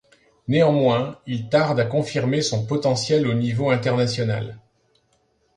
Néanmoins, il tarde à confirmer son potentiel au niveau international.